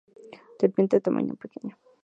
Serpiente de tamaño pequeño.